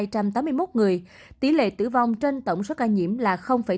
tổng số ca nhiễm là hai trăm tám mươi một người tỷ lệ tử vong trên tổng số ca nhiễm là bốn